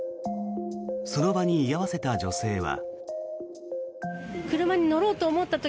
その場に居合わせた女性は。